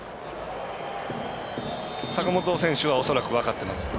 坂本選手は恐らく、分かってます。